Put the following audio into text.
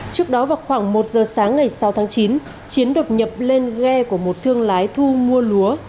trước đó vào khoảng một giờ sáng ngày sáu tháng chín chiến đột nhập lên ghe của một thương lái thu mua lúa